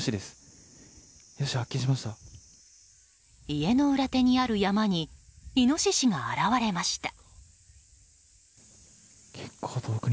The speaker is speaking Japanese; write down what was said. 家の裏手にある山にイノシシが現れました。